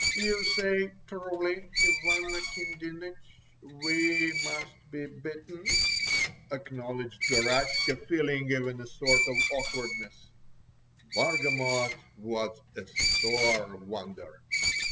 "You say truly, Ivan Akindinich, we must be beaten," acknowledged Garaska, feeling even a sort of awkwardness. Bargamot was a sore wonder!